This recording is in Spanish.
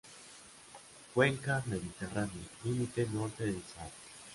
Cuenca mediterránea, límite norte del Sahara.